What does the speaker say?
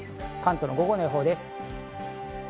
関東の午後の予報です。